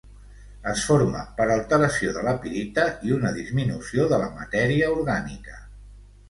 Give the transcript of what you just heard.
Es forma per alteració de la pirita i una disminució de la matèria orgànica.